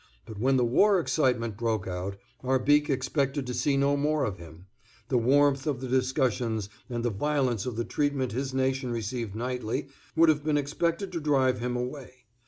But when the war excitement broke out Arbique expected to see no more of him; the warmth of the discussions and the violence of the treatment his nation received nightly would have been expected to drive him away.